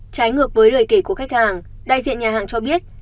trái ngược với lời kể của khách hàng đại diện nhà hàng cho biết